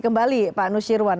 kembali pak usirwan